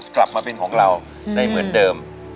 กลับมาเป็นของเราได้เหมือนเดิม